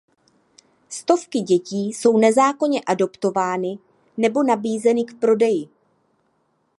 Stovky dětí jsou nezákonně adoptovány nebo nabízeny k prodeji.